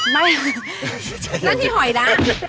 นั่นที่หอยนะ